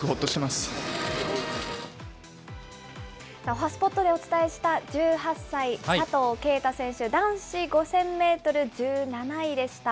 おはＳＰＯＴでお伝えした１８歳、佐藤圭汰選手、男子５０００メートル１７位でした。